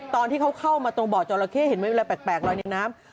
ตอนที่เขาเข้ามาตรงบ่อจราเข้เห็นไหมเวลาแปลกลอยในน้ำ